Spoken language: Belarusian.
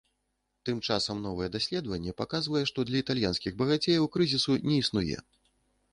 Тым часам новае даследаванне паказвае, што для італьянскіх багацеяў крызісу не існуе.